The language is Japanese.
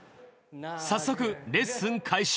早速レッスン開始。